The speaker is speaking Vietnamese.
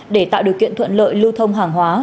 để tạo điều kiện thuận lợi lưu thông hàng hóa